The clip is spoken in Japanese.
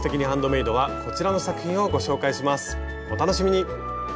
お楽しみに！